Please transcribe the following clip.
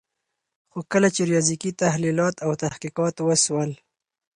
خو کله چي ریاضیکي تحلیلات او تحقیقات وسول